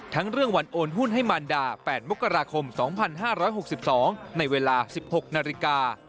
เรื่องวันโอนหุ้นให้มารดา๘มกราคม๒๕๖๒ในเวลา๑๖นาฬิกา